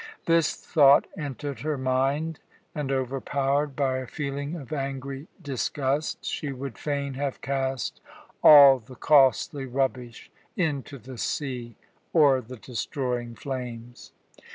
This thought entered her mind and, overpowered by a feeling of angry disgust, she would fain have cast all the costly rubbish into the sea or the destroying flames.